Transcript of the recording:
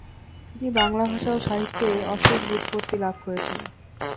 তিনি বাংলা ভাষা ও সাহিত্যে অশেষ ব্যুৎপত্তি লাভ করেছিলেন।